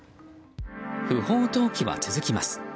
不法投棄は続きます。